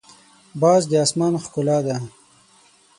باز د اسمان ښکلا ده